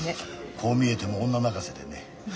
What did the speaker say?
こう見えても女泣かせでね。